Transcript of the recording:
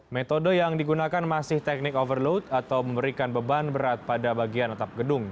metode yang digunakan masih teknik overload atau memberikan beban berat pada bagian atap gedung